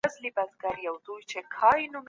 بيکارۍ له کلونو راهيسې زموږ ځوانان ځورولي وو.